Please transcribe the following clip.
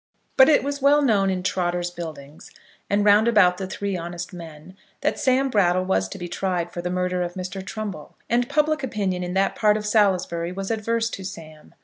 But it was well known in Trotter's Buildings, and round about the Three Honest Men, that Sam Brattle was to be tried for the murder of Mr. Trumbull, and public opinion in that part of Salisbury was adverse to Sam.